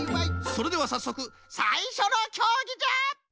それではさっそくさいしょのきょうぎじゃ！